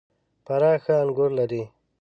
فراه ښه انګور لري .